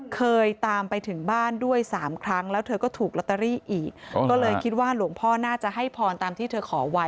เคยตามไปถึงบ้านด้วยสามครั้งแล้วเธอก็ถูกลอตเตอรี่อีกก็เลยคิดว่าหลวงพ่อน่าจะให้พรตามที่เธอขอไว้